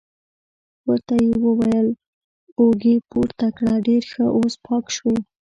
ورته یې وویل: اوږې پورته کړه، ډېر ښه، اوس پاک شوې.